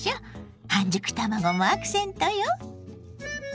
半熟卵もアクセントよ。